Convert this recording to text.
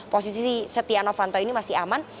posisi setia novanto ini masih aman